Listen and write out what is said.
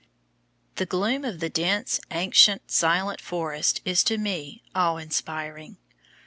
The gloom of the dense, ancient, silent forest is to me awe inspiring.